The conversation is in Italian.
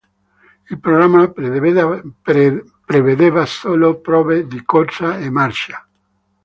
Il programma prevedeva solo prove di corsa e marcia.